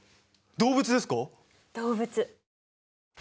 動物。